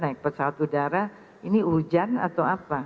naik pesawat udara ini hujan atau apa